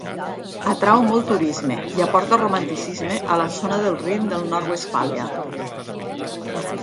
Atrau molt turisme i aporta romanticisme a la zona del Rin del Nord-Westfàlia.